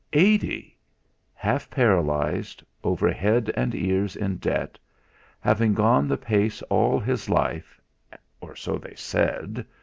Eighty! Half paralysed, over head and ears in debt, having gone the pace all his life or so they said!